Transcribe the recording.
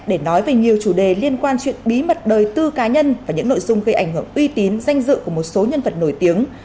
để nói về nhiều chủ đề liên quan chuyện bí mật đời tư cá nhân và những nội dung gây ảnh hưởng uy tín danh dự của một số nhân vật nổi tiếng